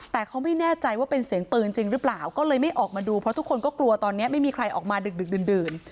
แต่เขาไม่แน่ใจว่าเป็นเสียงปืนจริงหรือเปล่าก็เลยไม่ออกมาดูเพราะทุกคนก็กลัวตอนนี้ไม่มีใครออกมาดึกดื่น